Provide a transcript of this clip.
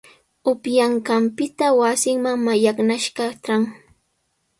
Upyanqanpita wasinman mallaqnashqa tran.